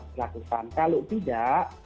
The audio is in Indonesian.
berlakukan kalau tidak